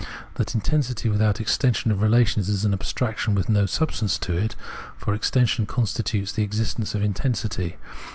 That intensity without extension of relations is an abstraction with no substance in it, for extension constitutes the existence of intensity.